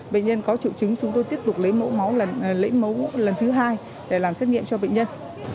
bệnh nhân có triệu chứng chúng tôi tiếp tục lấy mẫu lần thứ hai để làm xét nghiệm cho bệnh nhân